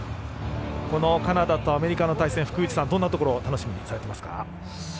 このカナダとアメリカの対戦福藤さん、どんなところを楽しみにされていますか？